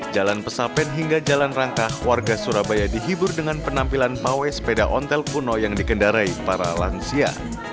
jalan pesapen hingga jalan rangkah warga surabaya dihibur dengan penampilan pawai sepeda ontel kuno yang dikendarai para lansia